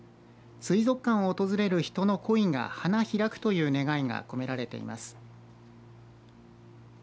水族館を訪れる人の恋がハナヒラクという願いが込められています。